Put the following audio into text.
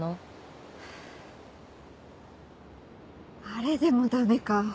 あれでもダメか。